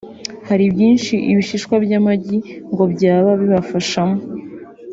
Hari byinshi ibishishwa by’amagi ngo byaba bifashamo